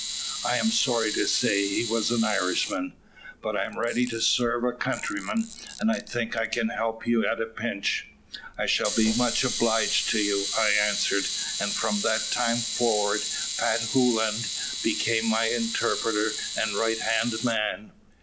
"I am sorry to say he was an Irishman. "`But I'm ready to serve a countryman, and I think I can help you at a pinch.' "`I shall be much obliged to you,' I answered; and from that time forward Pat Hoolan became my interpreter and right hand man.